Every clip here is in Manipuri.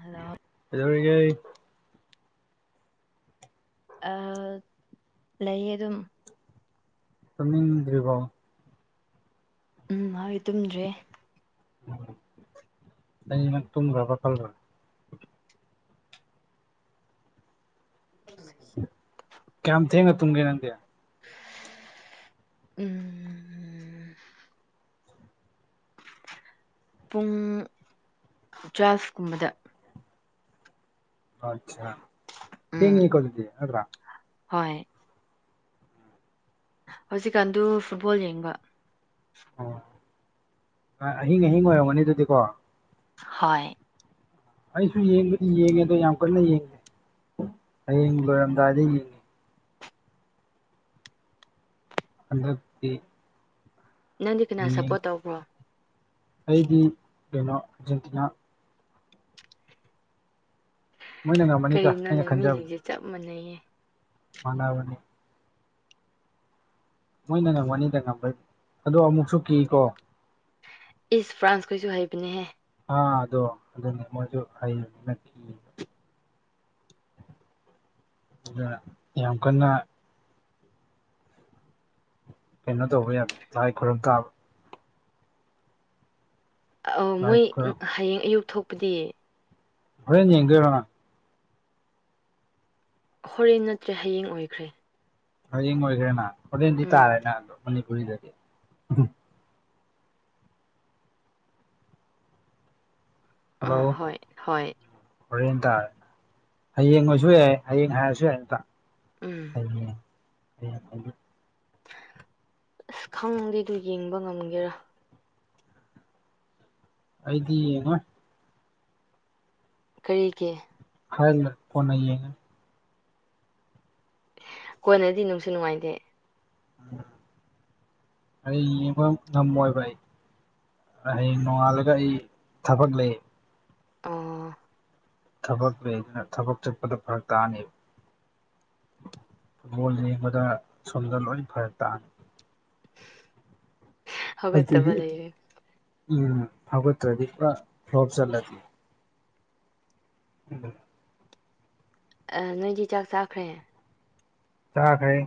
ꯍꯜꯂꯣ ꯑꯗꯨꯗꯔꯒ ꯑ ꯂꯩꯌꯦ ꯑꯗꯨꯝ ꯀꯃꯤꯗ꯭ꯔꯤꯚꯣ ꯎꯝ ꯃꯥꯗꯤ ꯇꯨꯝꯗ꯭ꯔꯦ ꯎ ꯑꯩꯅ ꯇꯨꯝꯈ꯭ꯔꯕ ꯈꯜ꯭ꯔꯥ ꯀꯌꯥꯝ ꯊꯦꯡꯒ ꯇꯨꯨꯡꯒꯦ ꯅꯗꯌꯥ ꯎꯝ ꯄꯨꯡ ꯖ꯭ꯋꯥꯐꯀꯨꯝꯕꯗ ꯑꯆꯥ ꯌꯦ ꯎꯝ ꯍ ꯀꯂꯗꯦ ꯑꯗꯨꯗ꯭ꯔꯥ ꯍꯣꯏ ꯍꯧꯖꯤꯛꯀꯥꯟꯗꯨ ꯐꯨꯠꯕꯣꯜ ꯌꯦꯡꯕ ꯑꯣ ꯑꯍꯤꯡ ꯑꯍꯤꯡ ꯑꯣꯏꯔꯝꯒꯅꯤ ꯑꯗꯨꯗꯤꯀꯣ ꯍꯣꯏ ꯑꯩꯁꯨ ꯌꯦꯡꯉꯦꯗꯣ ꯌꯥꯝ ꯀꯟꯅ ꯌꯦꯡꯉꯦ ꯍꯌꯦꯡ ꯂꯣꯏꯔꯝꯗꯥꯏꯗ ꯌꯦꯡꯉꯤ ꯑꯟꯗꯦ ꯅꯪꯗꯤ ꯀꯅꯥ ꯁꯞꯄꯣꯔꯠ ꯇꯧꯕ꯭ꯔꯣ ꯑꯩꯗꯤ ꯀꯩꯅꯣ ꯑꯔꯖꯦꯟꯇꯤꯅꯥ ꯃꯣꯏꯅ ꯉꯝꯃꯅꯤꯗ ꯀꯔꯤꯅꯣꯅꯦ ꯃꯤꯁꯤꯡꯁꯦ ꯆꯞ ꯃꯥꯟꯅꯩꯌꯦ ꯃꯅꯥꯕꯅꯤ ꯃꯣꯏꯅ ꯉꯝꯃꯅꯤꯗ ꯉꯝꯕꯩ ꯑꯗꯣ ꯑꯃꯨꯛꯁꯨ ꯀꯤꯀꯣ ꯏꯁ ꯐ꯭ꯔꯥꯟꯁꯈꯩꯁꯨ ꯍꯥꯏꯕꯅꯦꯍꯦ ꯑ ꯑꯗꯣ ꯑꯗꯨꯗꯤ ꯃꯖ ꯍꯥꯏꯌꯨ ꯑ ꯌꯥꯝ ꯀꯟꯅ ꯀꯩꯅꯣ ꯇꯧꯕ ꯌꯥꯅꯤꯦ ꯂꯥꯏ ꯈꯨꯔꯨꯝ ꯇꯥꯕ ꯑ ꯂꯥꯏ ꯃꯣꯏ ꯈꯨꯔꯝ ꯍꯌꯦꯡ ꯑꯌꯨꯛ ꯊꯣꯛꯄꯗꯤ ꯑ ꯌꯦ ꯀꯦꯅꯥ ꯍꯣꯔꯦꯟ ꯅꯠꯇ꯭ꯔꯦ ꯍꯌꯦꯡ ꯑꯣꯏꯈ꯭ꯔꯦ ꯍꯌꯦꯡ ꯑꯣꯏꯒꯦꯔꯦ ꯅ ꯍꯣꯔꯦꯟꯗꯤ ꯎꯝ ꯇꯥꯔꯦ ꯅꯗꯣ ꯃꯅꯤꯄꯨꯔꯤꯗꯗꯤ ꯑ ꯍꯜꯂꯣ ꯍꯣꯏ ꯍꯣꯏ ꯍꯣꯔꯦꯟ ꯇꯥꯔꯦꯅ ꯍꯌꯦꯡ ꯑꯣꯏꯁꯨ ꯌꯥꯏ ꯍꯌꯦꯡ ꯍꯥꯏꯔꯁꯨ ꯌꯥꯏ ꯑꯗ ꯎꯝ ꯍꯥꯏ ꯑꯁ ꯈꯪꯗꯤꯦꯗꯨ ꯌꯦꯡꯕ ꯉꯝꯒꯦꯔꯥ ꯑꯩꯗꯤꯅ ꯀꯔꯤꯒꯤꯦ ꯍꯥꯏ ꯂ ꯐꯅꯦ ꯀꯣꯟꯅꯗꯤ ꯅꯨꯡꯁꯨ ꯅꯨꯡꯉꯥꯏꯇꯦ ꯎꯝ ꯑ ꯏ ꯉꯃꯣꯏꯥꯏ ꯍꯌꯦꯡ ꯅꯣꯡꯉꯥꯜꯂꯒ ꯑꯩ ꯊꯕꯛ ꯂꯩ ꯑꯣ ꯊꯕꯛꯅ ꯊꯕꯛ ꯆꯠꯄꯗ ꯐꯔꯛ ꯇꯥꯅꯤ ꯐꯨꯠꯕꯣꯜ ꯌꯦꯡꯕꯗ ꯁꯣꯝꯗ ꯂꯣꯏ ꯐꯔꯦ ꯇꯥꯅꯤ ꯍꯒꯣꯏ ꯑꯗꯨꯒꯤ ꯇꯕꯂ ꯏꯦ ꯎꯝ ꯍꯧꯒꯠꯇ꯭ꯔꯗꯤ ꯄꯨꯔꯥ ꯐꯣꯞ ꯆꯠꯂꯗꯤ ꯎꯗ ꯑ ꯅꯣꯏꯗꯤ ꯆꯥꯛ ꯆꯥꯈ꯭ꯔꯦ ꯆꯥ ꯈꯩ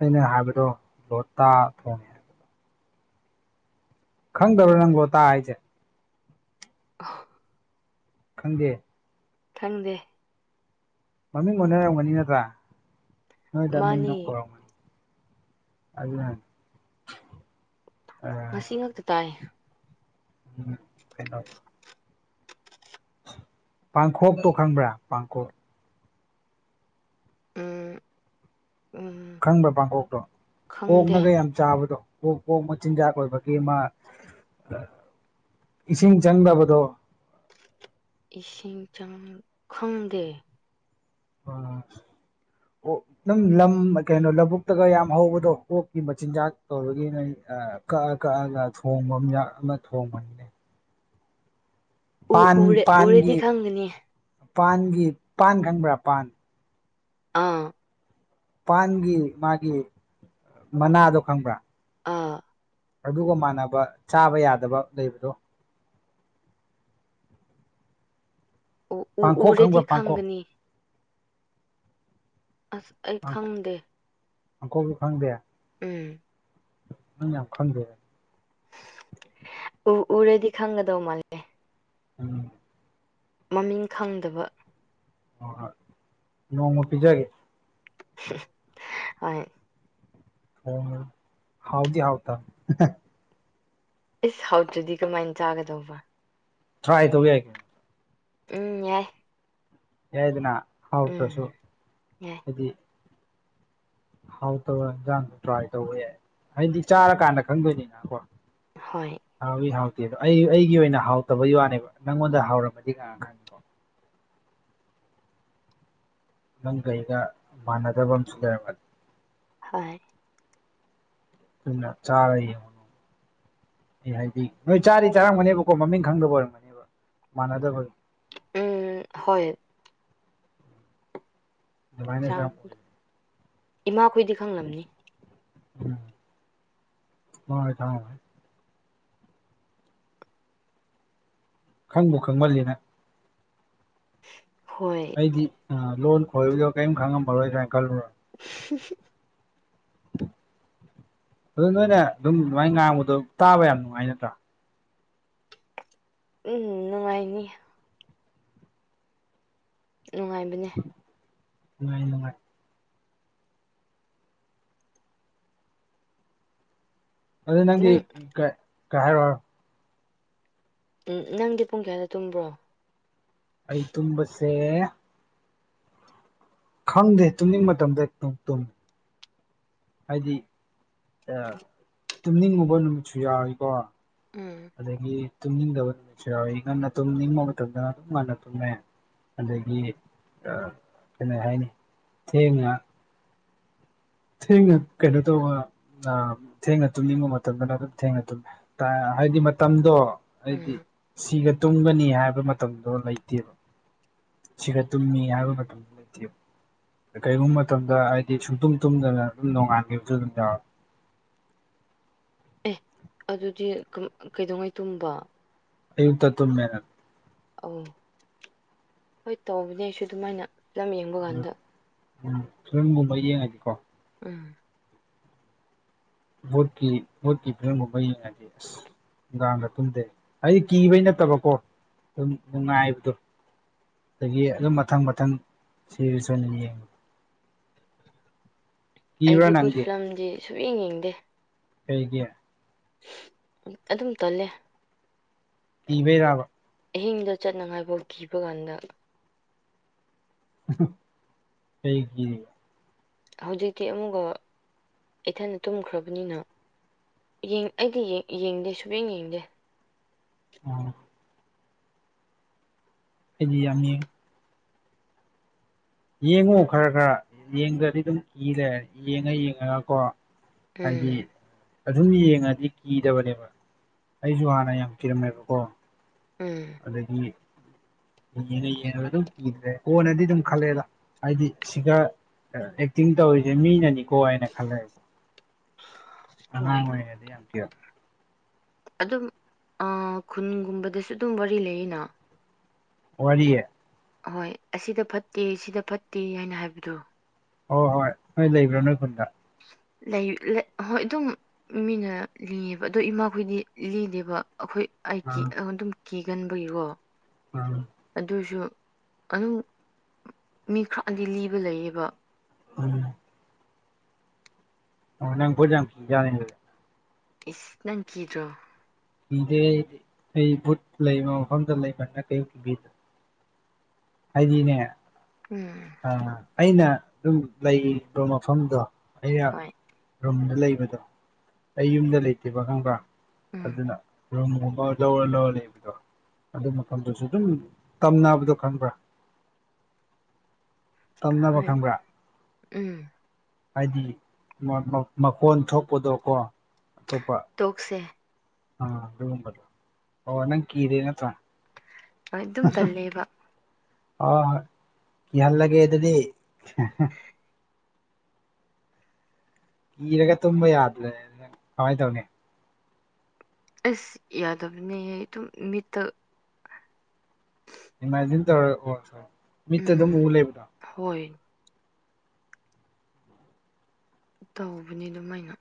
ꯑꯩꯅ ꯍꯥꯏꯕꯗꯣ ꯂꯣꯇꯥ ꯊꯣꯡꯉꯦ ꯍꯥꯏꯕꯗꯣ ꯈꯪꯗꯧꯔ ꯅꯪꯒꯣ ꯇ ꯍꯥꯏꯁꯦ ꯑ ꯈꯪꯗꯦ ꯊꯪꯗꯦ ꯃꯃꯤꯡ ꯑꯣꯏꯅꯔꯝꯒꯅꯤ ꯅꯠꯇ꯭ꯔꯥ ꯅꯣꯏꯗꯃꯤꯡꯅ ꯃꯥꯅꯤ ꯀꯧꯔꯝꯒꯅꯤ ꯑꯗꯨꯅ ꯉꯁꯤ ꯉꯛꯇ ꯇꯥꯏ ꯎꯝ ꯀꯩꯅꯩꯅ ꯄꯥꯡꯈꯣꯛꯇꯣ ꯈꯪꯕ꯭ꯔꯥ ꯄꯥꯡꯈꯣꯛꯞ ꯎꯝ ꯎꯝ ꯈꯪꯕ ꯄꯥꯡꯀꯣꯛꯇꯣ ꯈꯪꯗꯦ ꯀꯛꯅꯒ ꯌꯥꯝ ꯆꯥꯕꯗꯣ ꯀ ꯀꯣꯛꯣꯛ ꯃꯆꯤꯟꯖꯥꯛ ꯀ ꯑꯣꯏꯕꯃ ꯏꯁꯤꯡ ꯆꯪꯗꯕꯗꯣ ꯏꯁꯤꯡ ꯆꯥꯎ ꯈꯪꯗꯦ ꯑ ꯑꯣ ꯑꯗꯨꯝ ꯂꯝ ꯀꯩꯅꯣ ꯂꯧꯕꯨꯛꯇꯒ ꯌꯥꯝ ꯍꯧꯕꯗꯣ ꯑꯣꯛꯀꯤ ꯃꯆꯤꯟꯖꯥꯛ ꯇꯧꯔꯒꯤ ꯑ ꯀꯛꯑ ꯀꯛꯑꯒ ꯊꯣꯡꯕ ꯃ ꯑꯃ ꯊꯣꯡꯕꯅꯤꯅꯦ ꯎ ꯄꯥꯟ ꯎꯔꯦ ꯎꯔꯗꯤ ꯄꯥꯟꯒꯤ ꯈꯪꯒꯅꯤ ꯄꯥꯟꯒꯤ ꯄꯥꯟ ꯈꯪꯕ꯭ꯔꯥ ꯄꯥꯟ ꯑꯥ ꯄꯥꯟꯒꯤ ꯃꯥꯒꯤ ꯃꯅꯥꯗꯣ ꯈꯪꯕ꯭ꯔꯥ ꯑꯥ ꯑꯗꯨꯒ ꯃꯥꯟꯅꯕ ꯆꯥꯕ ꯌꯥꯗꯕ ꯂꯩꯕꯗꯣ ꯎ ꯎ ꯄꯥꯡꯈꯣꯛ ꯎꯔꯗꯤ ꯈꯪꯕ꯭ꯔ ꯄꯥꯡꯈꯣꯛ ꯈꯪꯒꯅꯤ ꯑꯁ ꯑꯩ ꯈꯪꯗꯦ ꯑꯪꯀꯣꯏꯁꯨ ꯈꯪꯗꯦ ꯎꯝ ꯌꯥꯝ ꯈꯒ ꯎꯔꯗꯤ ꯈꯪꯒꯗꯧ ꯃꯥꯜꯂꯦ ꯎꯝ ꯃꯃꯤꯡ ꯈꯪꯗꯕ ꯍ ꯃꯣꯡꯃ ꯄꯤꯖꯒꯦ ꯍ ꯑꯣ ꯍꯥꯎꯗꯤ ꯍꯥꯎ ꯇ ꯏꯁ ꯍꯥꯎꯠꯇꯨꯗꯤ ꯀꯃꯥꯏꯅ ꯆꯥꯒꯗꯧꯕ ꯊꯥꯏ ꯇꯧꯒꯦ ꯀꯌꯥ ꯎꯝ ꯋꯥ ꯌꯥꯏꯗꯅ ꯍꯥꯎꯇ꯭ꯔꯁꯨ ꯌꯥꯏ ꯍꯥꯏꯗꯤ ꯍꯥꯎ ꯇꯧꯔ ꯌꯦꯟꯁꯥꯡꯗ ꯇ꯭ꯔꯥꯏ ꯇꯧꯕꯋ ꯌꯥꯏ ꯍꯥꯏꯗꯤ ꯆꯥꯔꯀꯥꯟꯗ ꯈꯪꯗꯣꯏꯅꯤꯅꯀꯣ ꯍꯣꯏ ꯍꯥꯎ ꯍꯥꯎ ꯑꯩ ꯑꯩꯒꯤ ꯑꯣꯏꯅ ꯍꯥꯎꯇꯕ ꯋꯥꯅꯦꯕ ꯅꯪꯉꯣꯟꯗ ꯍꯥꯎꯔꯃꯗꯤ ꯀ ꯈꯪꯉꯦꯀꯣ ꯅꯪ ꯀꯩꯒ ꯃꯥꯟꯅꯗꯕ ꯑꯃꯁꯨ ꯂꯩꯔꯝꯃꯅꯤ ꯍꯣꯏ ꯎ ꯆꯥ ꯑꯦ ꯍꯥꯏꯗꯤ ꯅꯣꯏ ꯆꯥꯗꯤ ꯆꯥꯔꯝꯒꯅꯦꯕꯀꯣ ꯃꯃꯤꯡ ꯈꯪꯗꯕ ꯑꯣꯏꯔꯝꯒꯅꯦꯕ ꯃꯥꯟꯅꯗꯕ ꯎꯝ ꯍꯣꯏ ꯆꯥ ꯃꯥꯏꯅꯦꯁ ꯏꯃꯥꯈꯣꯏꯗꯤ ꯈꯪꯂꯝꯅꯤ ꯎꯝ ꯍꯣꯏ ꯊ ꯈꯪꯕꯨ ꯈꯪꯃꯜꯜꯂꯤꯅ ꯍꯣꯏ ꯑꯩꯗꯤ ꯂꯣꯟ ꯈꯣꯏꯕꯗꯣ ꯀꯔꯤꯝ ꯈꯪꯉꯝꯃꯔꯣꯏꯗ꯭ꯔꯥꯅ ꯈꯜꯂꯨꯔ [unintelligible] ꯑꯗꯨ ꯅꯣꯏꯅ ꯑꯗꯨꯝ ꯑꯗꯨꯃꯥꯏꯅ ꯉꯥꯡꯕꯗꯣ ꯇꯥꯕ ꯌꯥꯝ ꯅꯨꯡꯉꯥꯏ ꯅꯠꯇ꯭ꯔꯥ ꯎꯝ ꯅꯨꯡꯉꯥꯏꯅꯤ ꯅꯨꯡꯉꯥꯏꯕꯅꯦ ꯑꯉꯥꯏ ꯑꯗꯨ ꯅꯪꯗꯤ ꯅꯪ ꯀ ꯍꯥꯏꯔ ꯎꯝ ꯅꯪꯗꯤ ꯄꯨꯡ ꯀꯌꯥꯗ ꯇꯨꯝꯕ꯭ꯔꯣ ꯑꯩ ꯇꯕꯁꯦ ꯈꯪꯗꯦ ꯇꯨꯝꯅꯤꯡ ꯃꯇꯝꯗ ꯇꯨꯝꯃꯤ ꯍꯥꯏꯗꯤ ꯇꯨꯝꯅꯤꯡꯕꯨꯕ ꯅꯨꯃꯤꯠꯁꯨ ꯌꯥꯎꯤꯀꯣ ꯎꯝ ꯑꯗꯨꯗꯒꯤ ꯇꯨꯝꯅꯤꯡꯗꯕ ꯅꯨꯃꯤ ꯑꯩ ꯉꯟꯅ ꯇꯨꯝꯅꯤꯡꯕ ꯃꯇꯝꯗ ꯑꯗꯨꯝ ꯉꯟꯅ ꯇꯨꯝꯃꯦ ꯑꯗꯒꯤ ꯀꯩꯅ ꯍꯥꯏꯅꯤ ꯆꯦꯡꯅ ꯊꯦꯡ ꯀꯩꯅꯩꯅꯣ ꯇ ꯑ ꯊꯦꯡꯅ ꯇꯨꯝꯅꯤꯡꯕ ꯃꯇꯝꯗꯅ ꯑꯗꯨꯝ ꯊꯦꯡꯅ ꯇꯨꯝꯃꯤ ꯍꯥꯏꯗꯤ ꯃꯇꯝꯗꯣ ꯑꯩꯗꯤ ꯎꯝ ꯁꯤꯒ ꯇꯨꯝꯒꯅꯤ ꯍꯥꯏꯕ ꯃꯇꯝꯗꯣ ꯂꯩꯇꯦꯕ ꯁꯤꯒꯠꯇꯨꯝꯃꯤ ꯍꯥꯏꯕ ꯃꯇꯝ ꯂꯩꯇꯦꯕ ꯀꯔꯤꯒꯨꯝꯕ ꯃꯇꯝꯗ ꯍꯥꯏꯗꯤ ꯁꯨꯡꯇꯨꯝ ꯇꯨꯝꯗꯅ ꯑꯗꯨꯝ ꯅꯣꯡꯉꯥꯟꯈꯤꯕꯕꯁꯨ ꯑꯗꯨꯝ ꯌꯥꯎ ꯑꯦ ꯑꯗꯨꯗꯤ ꯀꯩꯗꯧꯉꯩ ꯇꯨꯝꯕ ꯑꯨꯛꯇ ꯇꯃꯦꯅ ꯑ ꯍꯣꯏ ꯇꯧꯕꯅꯦ ꯑꯩꯁꯨ ꯑꯗꯨꯃꯥꯏꯅ ꯐꯤꯂꯝ ꯌꯦꯡꯕ ꯎꯝ ꯀꯥꯟꯗ ꯎꯝ ꯐꯤꯂꯝꯒꯨꯝꯕ ꯌꯦꯡꯉꯁꯤꯀꯣ ꯎꯝ ꯀꯤꯀꯤ ꯐꯔꯝꯕꯕꯗꯤ ꯅꯨꯡꯗꯥꯥꯡꯗ ꯇꯨꯝꯗꯦ ꯍꯥꯏꯗꯤ ꯀꯤꯕꯩ ꯅꯠꯇꯕꯀꯣ ꯑꯗꯨꯝ ꯅꯨꯡꯉꯥꯏꯕꯗꯣ ꯑꯗꯒꯤ ꯑꯗꯨꯝ ꯃꯊꯪ ꯃꯊꯪ ꯁꯤꯔꯁꯨꯅꯤ ꯌꯦꯡꯉ ꯀꯤꯕ꯭ꯔꯥ ꯑꯩꯗꯤ ꯐꯨꯠ ꯐꯤꯂꯝꯗꯤ ꯁꯨꯡ ꯌꯦꯡ ꯌꯦꯡꯗꯦ ꯍꯩꯒꯦ ꯑꯗꯨꯝ ꯇꯣꯜꯂꯦ ꯀꯕꯩ ꯌꯥꯕ ꯑꯍꯤꯡꯗ ꯆꯠꯅꯉꯥꯏꯐꯥꯎ ꯀꯤꯕ ꯀꯥꯟꯗ ꯀꯩꯒꯤ ꯍꯧꯖꯤꯛꯇꯤ ꯑꯃꯨꯛꯒ ꯏꯊꯅ ꯇꯨꯝꯈ꯭ꯔꯕꯅꯤꯅ ꯑꯩꯗꯤ ꯌꯦꯡꯗꯦ ꯁꯨꯕꯡ ꯌꯦꯡꯗꯦ ꯎꯝ ꯑꯩꯗꯤ ꯌꯥꯝ ꯌꯦꯡꯉꯨ ꯈꯔ ꯈꯔ ꯌꯦꯡꯗ꯭ꯔꯗꯤ ꯑꯗꯨꯝ ꯀꯤꯔꯦ ꯌꯦꯡꯉ ꯌꯦꯡꯉꯒ ꯀꯣ ꯎꯝ ꯑꯗꯨꯝ ꯌꯦꯡꯉꯗꯤ ꯀꯤꯗꯕꯅꯦꯕ ꯑꯩꯁꯨ ꯍꯥꯟꯅ ꯌꯥꯝ ꯀꯤꯔꯝꯃꯦꯕꯀꯣ ꯎꯝ ꯑꯗꯗꯒꯤ ꯌꯦꯡꯉ ꯌꯦꯡꯉꯒ ꯑꯗꯨꯝ ꯀꯤꯗ꯭ꯔꯦ ꯀꯣꯟꯅꯗꯤ ꯑꯗꯨꯝ ꯈꯜꯂꯦꯗ ꯍꯥꯏꯗꯤ ꯁꯤꯒ ꯑꯦꯛꯇꯤꯡ ꯇꯧꯔꯤꯁꯦ ꯃꯤꯅꯅꯤꯀꯣ ꯍꯥꯏꯅ ꯈꯜꯂꯦꯕ [unintelligible] ꯍꯣꯏ ꯑꯉꯗꯤ ꯌꯥꯝ ꯑꯗꯨꯝ ꯈꯨꯟꯒꯨꯝꯕꯗꯁꯨ ꯑꯗꯨꯝ ꯋꯥꯔꯤ ꯂꯩꯌꯦꯅ ꯋꯥꯔꯤꯦ ꯍꯣꯏ ꯑꯁꯤꯗ ꯐꯠꯇꯦ ꯑꯁꯤꯗ ꯐꯠꯇꯦ ꯍꯥꯏꯅ ꯍꯥꯏꯕꯗꯣ ꯍꯣꯏ ꯍꯣꯏ ꯅꯣꯏ ꯂꯩꯕ꯭ꯔꯥ ꯅꯣꯏ ꯈꯨꯟꯗ ꯂꯩ ꯍꯣꯏ ꯑꯗꯨꯝ ꯃꯤꯅ ꯂꯤꯌꯦꯕ ꯑꯣ ꯏꯃꯥꯈꯣꯏꯗꯤ ꯂꯤꯗꯦꯕ ꯑꯩꯈꯣꯏ ꯑꯩ ꯑꯥ ꯑꯗꯨꯝ ꯀꯤꯒꯟꯕꯒꯤꯀꯣ ꯑꯥ ꯑꯗꯨꯁꯨ ꯑꯗꯨꯝ ꯃꯤ ꯈꯔꯗꯤ ꯂꯤꯕ ꯂꯩꯌꯦꯕ ꯎꯝ ꯅꯪ ꯄꯨꯖ ꯌꯥ ꯏ ꯅꯪ ꯀꯤꯗ꯭ꯔꯣ ꯀꯗꯦ ꯑꯩ ꯑꯩ ꯕꯨꯠ ꯂꯩꯕ ꯃꯐꯝꯗ ꯂꯩꯕꯅꯤꯅ ꯀꯩꯤꯕꯤꯗ ꯍꯥꯏꯗꯤꯅꯦ ꯎꯝ ꯑ ꯑꯩꯅ ꯑꯗꯨꯝ ꯂꯩꯕ ꯃꯐꯝꯗꯣ ꯑꯩꯅ ꯍꯣꯏ ꯑꯗꯨꯝ ꯂꯩꯕꯗꯣ ꯑꯩ ꯌꯨꯝꯗ ꯂꯩꯇꯦꯕ ꯈꯪꯕ꯭ꯔꯥ ꯎꯝ ꯑꯗꯨꯅ ꯖꯔ ꯅ ꯂꯩꯕꯗꯣ ꯑꯗꯨ ꯃꯐꯝꯗꯨꯁꯨ ꯑꯗꯨꯝ ꯇꯝꯅꯕꯗꯣ ꯈꯪꯕ꯭ꯔꯥ ꯇꯝꯅꯕ ꯍ ꯈꯪꯕ꯭ꯔꯥ ꯎꯝ ꯍꯥꯏꯗꯤ ꯃꯈꯣꯟ ꯊꯣꯛꯄꯗꯣꯀꯣ ꯇꯣꯛꯁꯦ ꯑ ꯑꯗꯨꯨꯝꯗ ꯑꯣꯅꯪ ꯀꯤꯔꯅ ꯊ ꯑꯗꯨ ꯑꯗꯨꯝ ꯇꯜꯂꯤꯦꯕ ꯑ ꯀ ꯍꯜ ꯂꯒꯦ ꯑꯗꯨꯗꯤ ꯀꯤꯔꯒ ꯇꯨꯝꯕ ꯌꯥꯗ꯭ꯔꯦ ꯑꯗꯨꯪ ꯀꯃꯥꯏꯅ ꯇꯧꯅꯤ ꯑꯁ ꯌꯥꯗꯕꯅꯤ ꯑꯗꯨ ꯃꯤꯠꯇ ꯏꯃꯖꯤꯤꯟ ꯇꯧꯔ ꯃꯤꯠꯇ ꯑꯗꯨꯝ ꯎ ꯎꯝ ꯂꯩꯕꯗꯣ ꯍꯣꯏ ꯇꯧꯕꯅꯤ ꯑꯗꯨꯃꯥꯏꯅ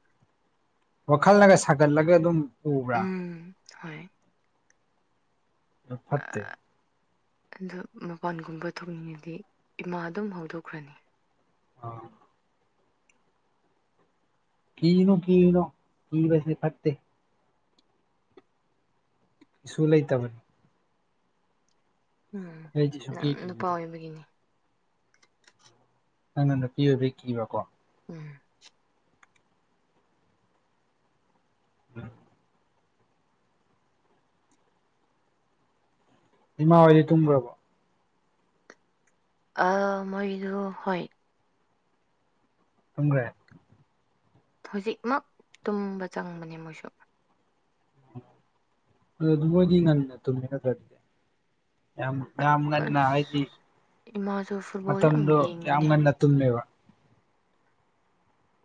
ꯋꯥꯈꯜꯂꯒ ꯁꯥꯒꯠꯂꯒ ꯑꯗꯨꯝ ꯎꯕ꯭ꯔꯥ ꯍ ꯐꯠꯇꯦ ꯑꯗꯣ ꯃꯄꯥꯟꯒꯨꯝꯕ ꯊꯣꯛꯅꯤꯡꯉꯗꯤ ꯏꯃꯥ ꯑꯗꯨꯝ ꯍꯧꯗꯣꯛꯈ꯭ꯔꯅꯤ ꯑꯥ ꯀꯤꯅꯨ ꯀꯅꯣ ꯀꯁꯅꯤ ꯐꯠꯇꯦ ꯁꯨꯨ ꯂꯩ ꯇꯕꯅꯤ ꯎꯝ ꯑꯩꯗꯤ ꯅꯪ ꯁꯨꯡꯀꯤ ꯅꯨꯄꯥ ꯀꯤꯕꯤꯗꯦ ꯑꯣꯏꯕꯒꯤꯅꯤ ꯅ ꯅ ꯅ ꯄꯤꯕ ꯄ ꯀꯤꯕꯀꯣ ꯎꯝ ꯎꯝ ꯏꯃꯥ ꯍꯣꯏꯗꯤ ꯇꯨꯝꯈ꯭ꯔꯕꯣ ꯑ ꯃꯣꯏꯗꯨ ꯍꯣꯏ ꯊ꯭ꯔꯦ ꯍꯧꯖꯤꯛꯃꯛ ꯇꯨꯝꯕ ꯆꯪꯕꯅꯦ ꯃꯣꯏꯁꯨ ꯑꯗꯨꯄꯗꯤ ꯉ ꯇꯃꯤꯅ ꯀꯦ ꯌꯥꯝ ꯌꯥꯝ ꯑꯁ ꯍꯥꯏꯗꯤ ꯏꯃꯥꯁꯨ ꯐꯨꯠꯕꯣꯜ ꯌꯥꯝ ꯃꯇꯝꯗꯣ ꯌꯥꯝ ꯌꯦꯡꯕꯅꯦ ꯉꯟꯅ ꯇꯨꯝꯃꯦꯕ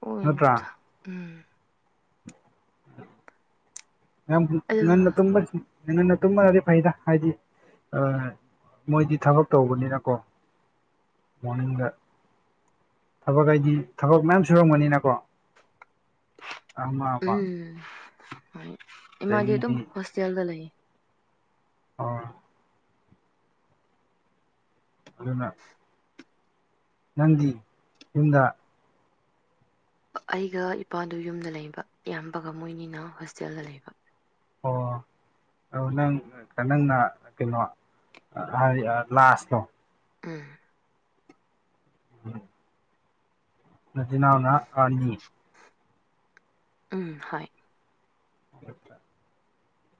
ꯑꯣ ꯅꯠꯇ꯭ꯔꯥ ꯏꯇ ꯎꯝ ꯌꯥꯝ ꯑꯗꯨ ꯉꯟꯅ ꯇꯨꯝ ꯉꯟꯅ ꯇꯨꯝꯕꯗꯗꯤ ꯐꯩꯗ ꯍꯥꯏꯗꯤ ꯃꯣꯏꯗꯤ ꯊꯕꯛ ꯇꯧꯕꯅꯤꯅꯀꯣ ꯃꯣꯔꯅꯤꯡꯗ ꯊꯕꯛ ꯍꯥꯏꯗꯤ ꯊꯕꯛ ꯃꯌꯥꯝ ꯁꯨꯔꯝꯒꯅꯤꯅꯀꯣ ꯑꯃ ꯑꯃ ꯎꯝ ꯍ ꯏꯃꯗꯤ ꯑꯗꯨꯣ ꯑꯗꯒꯤꯗꯤ ꯍꯣꯁꯇꯦꯜꯗ ꯂꯩꯒꯦ ꯑꯥ ꯑꯗꯨꯅ ꯅꯟꯗꯤ ꯌꯨꯝꯗ ꯑꯩꯒ ꯏꯄꯥꯗꯨ ꯌꯨꯝꯗ ꯂꯩꯕ ꯏꯌꯥꯝꯕꯒ ꯃꯣꯏꯅꯤꯅ ꯍꯣꯁꯇꯦꯜꯗ ꯂꯩꯕ ꯑꯣ ꯑ ꯅꯪ ꯅꯪꯅ ꯀꯩꯅꯣ ꯂꯥꯁꯇꯣ ꯎꯝ ꯎꯝ ꯅꯗꯅꯥꯅ ꯑꯥꯅꯤꯤ ꯎꯝ ꯍ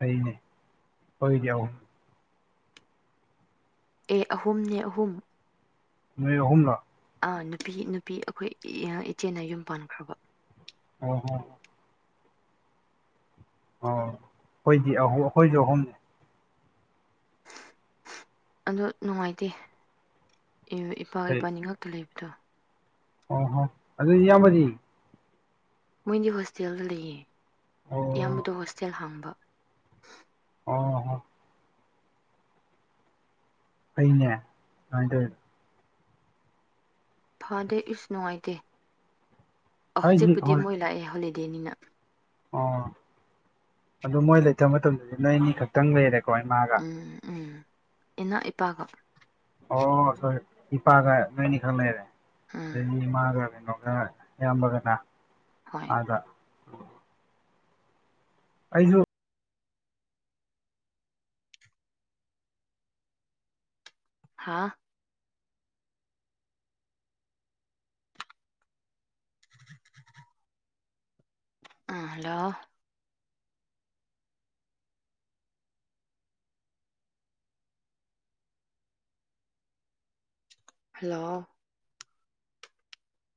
ꯑꯅꯦ ꯍꯔ ꯌꯥꯎꯨ ꯑꯦ ꯑꯍꯨꯝꯅꯦ ꯑꯍꯨꯝ ꯃꯍꯨꯝꯂ ꯑ ꯅꯨꯄꯤ ꯅꯨꯄꯤ ꯑꯩꯈꯣꯏ ꯏꯆꯦꯅ ꯌꯨꯝ ꯄꯥꯟꯈ꯭ꯔꯕ ꯑ ꯍ ꯑꯣ ꯑꯩꯈꯣꯏꯗꯤ ꯑ ꯑꯩꯈꯣꯏꯁꯨ ꯑꯍꯨꯝꯅꯦ ꯑꯗꯣ ꯅꯨꯡꯉꯥꯏꯇꯦ ꯏꯄꯥ ꯀꯔꯤ ꯏꯄꯥꯅꯤ ꯉꯛꯇ ꯂꯩꯕꯗꯣ ꯑꯣ ꯍꯣ ꯑꯗ ꯌꯦꯌꯥ ꯄꯗꯤ ꯃꯣꯏꯗꯤ ꯍꯣꯁꯇꯦꯜꯗ ꯂꯩꯌꯦ ꯏꯌꯥꯝꯕꯗꯣ ꯑꯣ ꯍꯣꯁꯇꯦꯜ ꯍꯥꯡꯕ ꯑꯣ ꯑꯅꯦ ꯑꯇ ꯐꯗꯦ ꯏꯁ ꯅꯨꯡꯉꯥꯏꯇꯦ ꯑꯩꯗꯤ ꯍꯧꯖꯤꯛꯄꯨꯗꯤ ꯍꯣꯏ ꯃꯣꯏ ꯂꯥꯛꯑꯦ ꯍꯣꯜꯂꯤ ꯗꯦꯅꯤꯅ ꯑꯣ ꯑꯗꯨ ꯃꯣꯏ ꯂꯩꯇꯕ ꯃꯇꯝꯗ ꯅꯣꯏ ꯑꯅꯤ ꯈꯛꯇꯪ ꯂꯩꯔꯦꯒꯦ ꯀꯣꯏ ꯃꯥꯒ ꯎꯝ ꯎꯝ ꯏꯅꯥ ꯏꯄꯥꯒ ꯑꯣ ꯁꯣꯏ ꯏꯄꯥꯒ ꯅꯣꯏꯅꯤ ꯈꯔ ꯂꯩꯔꯦ ꯎꯝ ꯑꯩ ꯏꯃꯥꯒ ꯌꯥꯕꯅ ꯍꯣꯏ ꯑꯗ ꯑꯩꯁꯨ ꯍꯥꯥ ꯑꯥ ꯍꯂꯣ ꯍꯜꯂꯣ